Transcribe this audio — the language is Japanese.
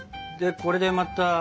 これでまた。